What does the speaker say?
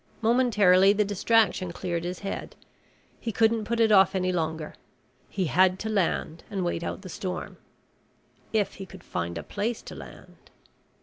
Momentarily the distraction cleared his head. He couldn't put it off any longer. He had to land and wait out the storm if he could find a place to land.